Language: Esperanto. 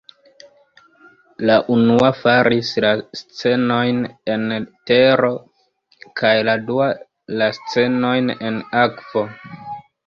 La unua faris la scenojn en tero kaj la dua la scenojn en akvo.